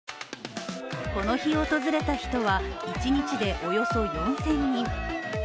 この日訪れた人は、一日でおよそ４０００人。